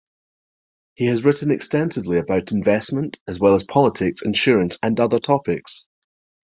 He has written extensively about investment, as well as politics, insurance, and other topics.